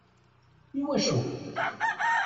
I wacu?